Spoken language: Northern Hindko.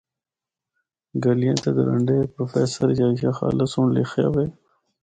’گلیاں تے درنڈے‘ پروفیسر یحییٰ خالد سنڑ لخیا وے۔